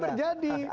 itu kan berjadi